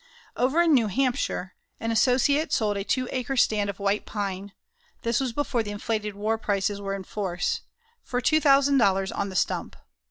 Over in New Hampshire, an associate sold a two acre stand of white pine this was before the inflated war prices were in force for $2,000 on the stump.